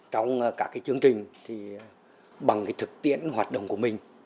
trong các chương trình bằng thực tiễn hoạt động của mình